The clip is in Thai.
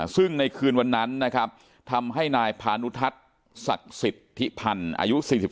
ซึ่งในคืนวันนั้นนะครับทำให้นายพานุทัศน์ศักดิ์สิทธิพันธ์อายุ๔๒